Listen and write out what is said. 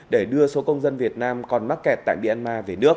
để đưa số công dân việt nam còn mắc kẹt tại myanmar về nước